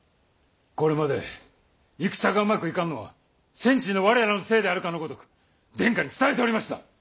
これまで戦がうまくいかんのは戦地の我らのせいであるかのごとく殿下に伝えておりました！